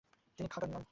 তিনি খাগান হন।